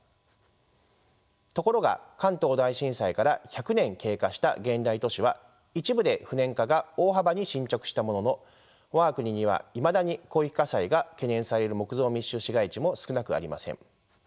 ところが関東大震災から１００年経過した現代都市は一部で不燃化が大幅に進捗したものの我が国にはいまだに広域火災が懸念される木造密集市街地も少なくありません。